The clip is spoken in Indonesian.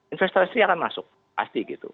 investasi akan masuk pasti gitu